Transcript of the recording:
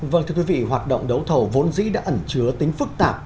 vâng thưa quý vị hoạt động đấu thầu vốn dĩ đã ẩn chứa tính phức tạp